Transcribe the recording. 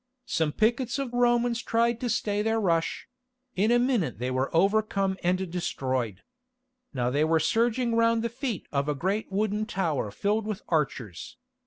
Some pickets of Romans tried to stay their rush; in a minute they were overcome and destroyed. Now they were surging round the feet of a great wooden tower filled with archers.